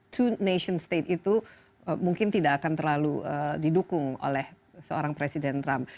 to nation state itu mungkin tidak akan terlalu didukung oleh seorang presiden trump